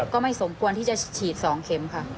ก็ไม่สมควรที่จะฉีด๒เข็มค่ะ